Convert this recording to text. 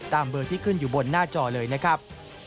เบอร์ที่ขึ้นอยู่บนหน้าจอเลยนะครับ